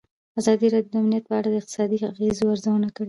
ازادي راډیو د امنیت په اړه د اقتصادي اغېزو ارزونه کړې.